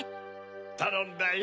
たのんだよ。